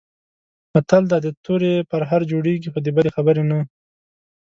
متل دی: د تورې پرهر جوړېږي، خو د بدې خبرې نه.